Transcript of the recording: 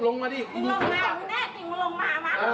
มึงลงมามึงแน่จริงมึงลงมามามา